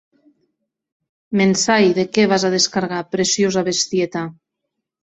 Me’n sai de qué vas a descargar, preciosa bestieta.